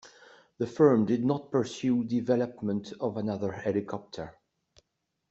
The firm did not pursue development of another helicopter.